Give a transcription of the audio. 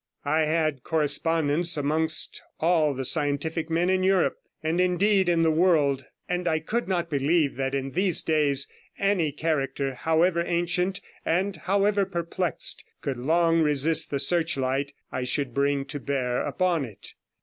I had correspondents amongst all the scientific men in Europe, and, indeed, in the world, and I could not believe that in these days any character, however ancient and however perplexed, could long resist the search light I should bring to bear upon it.